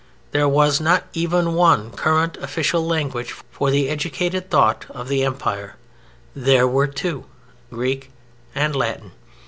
There was not even one current official language for the educated thought of the Empire: there were two, Greek and Latin.